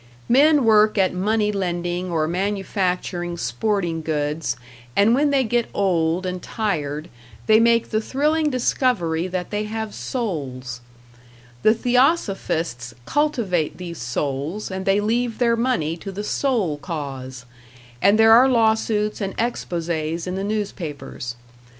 Men work at money lending or manufacturing sporting goods, and when they get old and tired they make the thrilling discovery that they have souls; the theosophists cultivate these souls and they leave their money to the soul cause, and there are lawsuits and exposés in the newspapers.